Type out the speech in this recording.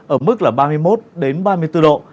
ở mức là ba mươi một ba mươi bốn độ